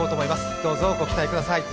どうぞご期待ください。